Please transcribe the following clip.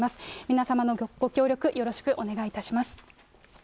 皆様のご協力、よろしくお願いいたします。